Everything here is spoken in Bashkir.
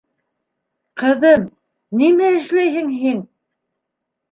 Ҡыҙым, нимә эшләйһең һин?